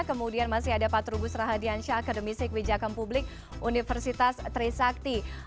kemudian masih ada pak trubus rahadian syah akademisik wijakam publik universitas trisakti